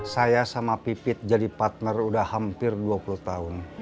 saya sama pipit jadi partner udah hampir dua puluh tahun